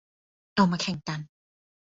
เอามาแข่งกัน